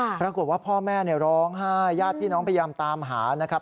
ปรากฏว่าพ่อแม่ร้องไห้ญาติพี่น้องพยายามตามหานะครับ